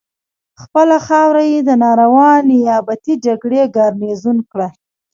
خپله خاوره یې د ناروا نیابتي جګړې ګارنیزیون کړه.